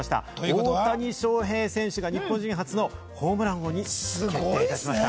大谷翔平選手が日本人選手初のホームラン王に決定しました。